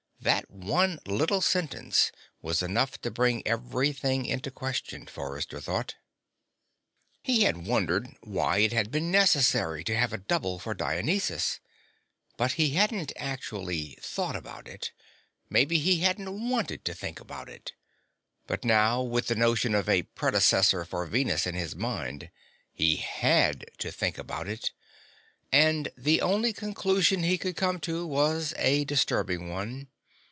That one little sentence was enough to bring everything into question, Forrester thought. He had wondered why it had been necessary to have a double for Dionysus, but he hadn't actually thought about it; maybe he hadn't wanted to think about it. But now, with the notion of a "predecessor" for Venus in his mind, he had to think about it, and the only conclusion he could come to was a disturbing one.